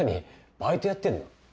バイトやってんの？